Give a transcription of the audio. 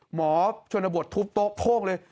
หมอชนบททุบโต๊ะโพ่งเลย